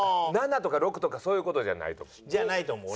７とか６とかそういう事じゃないと思う。